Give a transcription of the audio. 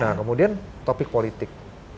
nah kemudian topik politik